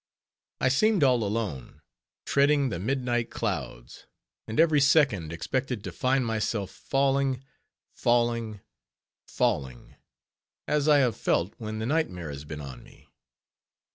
I seemed all alone; treading the midnight clouds; and every second, expected to find myself falling—falling—falling, as I have felt when the nightmare has been on me.